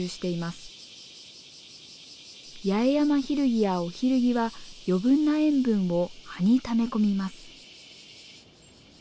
ヤエヤマヒルギやオヒルギは余分な塩分を葉にため込みます。